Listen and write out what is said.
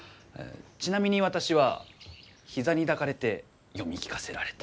ちなみに私は膝に抱かれて読み聞かせられた。